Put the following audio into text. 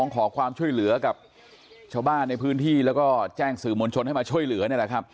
ขอความช่วยเหลือกับชาวบ้านในพื้นที่แล้วก็แจ้งสู่มณชนการช่วยเหลือ